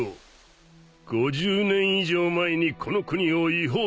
５０年以上前にこの国を違法出国した男だ